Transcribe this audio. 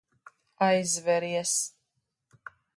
Aizveries.